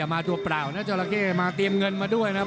มาตัวเปล่านะจราเข้มาเตรียมเงินมาด้วยนะครับ